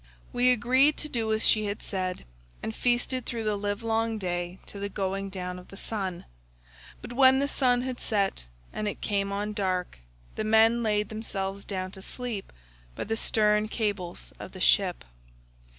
"We agreed to do as she had said, and feasted through the livelong day to the going down of the sun, but when the sun had set and it came on dark, the men laid themselves down to sleep by the stern cables of the ship.